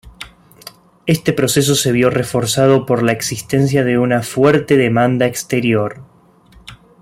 Este proceso se vio reforzado por la existencia de una fuerte demanda exterior.